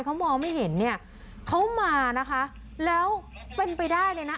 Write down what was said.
เขามองไม่เห็นเนี่ยเขามานะคะแล้วเป็นไปได้เลยนะ